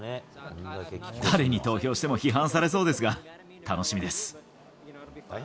誰に投票しても批判されそうですが、楽しみです。